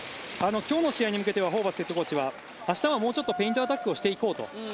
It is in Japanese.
今日の試合に向けてはホーバスヘッドコーチは明日はもうちょっとペイントアタックをしていこうと。